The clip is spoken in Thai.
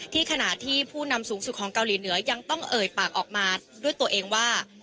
ขณะที่ผู้นำสูงสุดของเกาหลีเหนือยังต้องเอ่ยปากออกมาด้วยตัวเองว่า